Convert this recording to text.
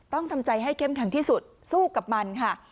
ทำใจให้เข้มแข็งที่สุดสู้กับมันค่ะ